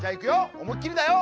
おもいっきりだよ！